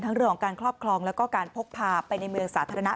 เรื่องของการครอบครองแล้วก็การพกพาไปในเมืองสาธารณะ